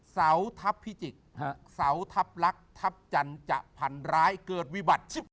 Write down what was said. เสาทัพพิจิกเสาทัพลักษณ์ทัพจันทร์จะพันร้ายเกิดวิบัติ